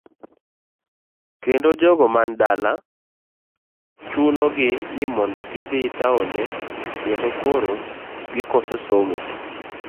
Kendo jogo man dala chuno gi ni mondo gidhi taonde kendo koro gikoso somo.